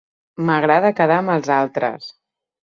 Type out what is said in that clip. M'agrada quedar amb els altres.